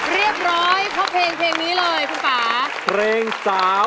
เรียบร้อยเพราะเพลงนี้เลยคุณป้า